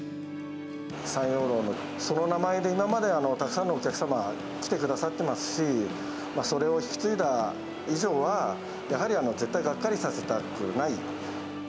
三陽楼のその名前で、今までたくさんのお客様、来てくださってますし、それを引き継いだ以上は、やはり絶対がっかりさせたくない。